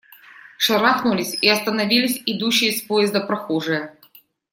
Шарахнулись и остановились идущие с поезда прохожие.